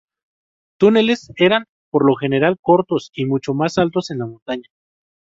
Túneles eran, por lo general, cortos y mucho más altos en la montaña.